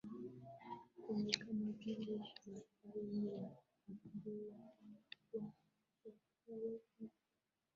Kenya Kama vile Maasai Wakikuyu Wajaluo na